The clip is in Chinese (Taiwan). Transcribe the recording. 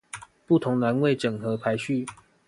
不同欄位整合排序